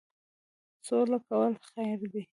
سوله کول خیر دی.